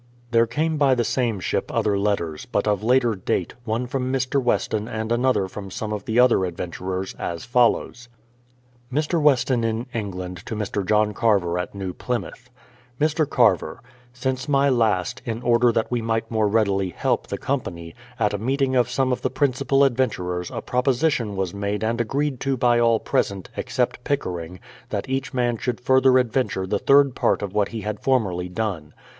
There came by the same ship other letters, but of later date, one from Mr. Weston and another from some of the other adventurers, as follows. Mr. Weston in England to Mr. John Carver at New Plymouth: Mr. Carver, Since my last, in order that we might more readily help the com pany, at a meeting of some of the principal adventurers a proposi tion was made and agreed to by all present, except Pickering, that each man should further adventure the third part of what he had formerly done.